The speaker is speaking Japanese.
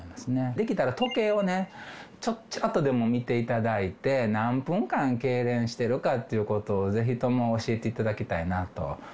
できたら時計をね、ちらっとでも見ていただいて、何分間けいれんしてるかっていうことを、ぜひとも教えていただきたいなと。